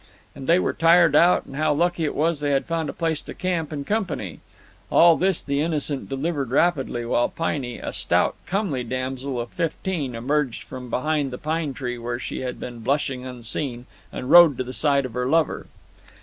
And they were tired out, and how lucky it was they had found a place to camp and company. All this the Innocent delivered rapidly, while Piney, a stout, comely damsel of fifteen, emerged from behind the pine tree, where she had been blushing unseen, and rode to the side of her lover.